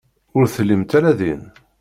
Ur tellimt ara din.